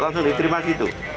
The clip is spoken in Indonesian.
langsung diterima di situ